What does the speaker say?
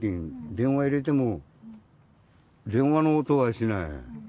電話入れても、電話の音はしない。